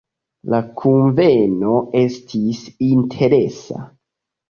La kunveno estis interesa.